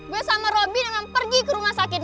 gue sama robin yang pergi ke rumah sakit